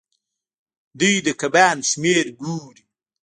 دوی د کبانو شمیر ګوري.